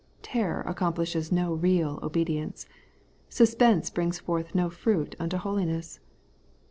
Terror accomplishes no real obedience. Suspense brings forth no fruit unto holiness.